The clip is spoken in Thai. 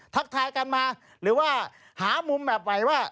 ทักทายกันมาหรือว่าหามุมแบบใหม่ว่า